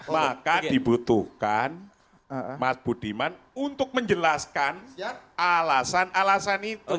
maka dibutuhkan mas budiman untuk menjelaskan alasan alasan itu